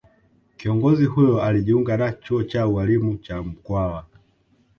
Kiongozi huyo alijiunga na chuo cha ualimu cha Mkwawa